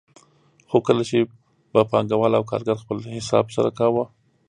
خو کله چې به پانګوال او کارګر خپل حساب سره کاوه